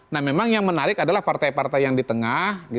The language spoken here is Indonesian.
nah memang yang menarik adalah partai partai yang di tengah